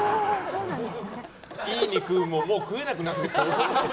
いい肉ももう食えなくなってきた。